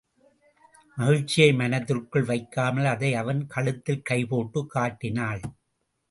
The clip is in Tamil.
மகிழ்ச்சியை மனதிற்குள் வைக்காமல் அதை அவன் கழுத்தில் கைபோட்டுக் காட்டினாள்.